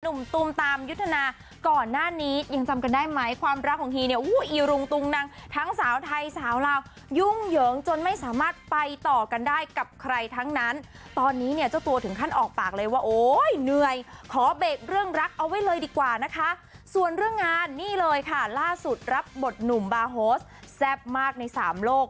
ตูมตามยุทธนาก่อนหน้านี้ยังจำกันได้ไหมความรักของฮีเนี่ยอุ้ยอีรุงตุงนังทั้งสาวไทยสาวลาวยุ่งเหยิงจนไม่สามารถไปต่อกันได้กับใครทั้งนั้นตอนนี้เนี่ยเจ้าตัวถึงขั้นออกปากเลยว่าโอ้ยเหนื่อยขอเบรกเรื่องรักเอาไว้เลยดีกว่านะคะส่วนเรื่องงานนี่เลยค่ะล่าสุดรับบทหนุ่มบาโฮสแซ่บมากในสามโลก